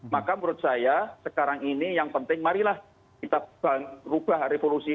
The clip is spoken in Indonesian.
maka menurut saya sekarang ini yang penting marilah kita rubah revolusi